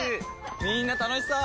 みんな楽しそう！